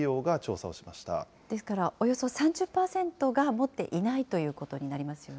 ですから、およそ３０％が持っていないということになりますよね。